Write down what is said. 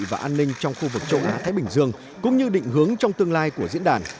và an ninh trong khu vực châu á thái bình dương cũng như định hướng trong tương lai của diễn đàn